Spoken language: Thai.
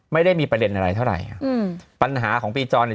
ไม่ได้มีประเด็นอะไรเท่าไหร่อ่ะอืมปัญหาของปีจรเนี่ย